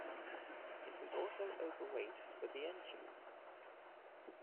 It was also overweight for the engine.